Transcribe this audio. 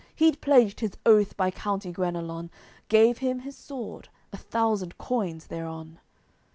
He'd pledged his oath by county Guenelon, Gave him his sword, a thousand coins thereon.